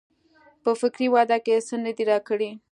په فکري وده کې څه نه دي کړي.